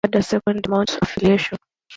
It also had a secondary DuMont affiliation.